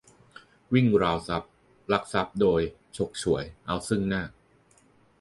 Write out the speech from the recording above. - วิ่งราวทรัพย์ ลักทรัพย์โดย ฉกฉวยเอาซึ่งหน้า